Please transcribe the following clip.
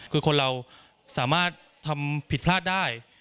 คือคนเราสามารถทำผิดพลาดได้